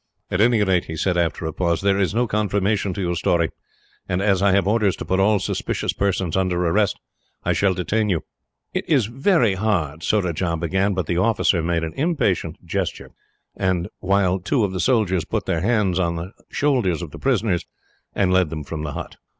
"At any rate," he said, after a pause, "there is no confirmation to your story, and, as I have orders to put all suspicious persons under arrest, I shall detain you." "It is very hard " Surajah began; but the officer made an impatient gesture, while two of the soldiers put their hands on the shoulders of the prisoners, and led them from the hut.